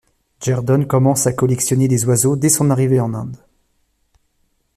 Jerdon commence à collection des oiseaux dès son arrivée en Inde.